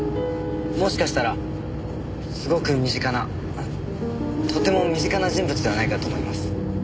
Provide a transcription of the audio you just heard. もしかしたらすごく身近なあっとても身近な人物ではないかと思います。